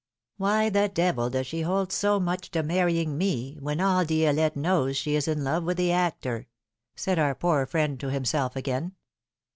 Why the devil does she hold so much to marrying me, when all Di6lette knows she is in love with the actor said our poor friend to himself again.